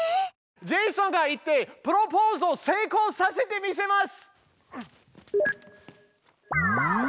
ジェイソンが行ってプロポーズを成功させてみせます！